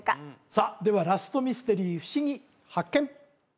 さあではラストミステリーふしぎ発見！